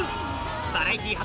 バラエティー初！